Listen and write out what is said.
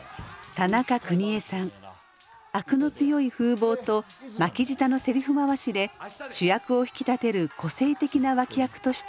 アクの強い風貌と巻き舌のセリフ回しで主役を引き立てる個性的な脇役として活躍。